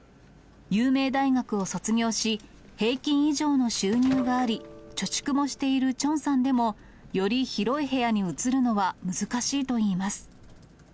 有名大学を卒業し、平均以上の収入があり、貯蓄もしているチョンさんでも、より広い部屋に移るのは難しいといいます。